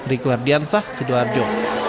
riku herdiansah sidoarjo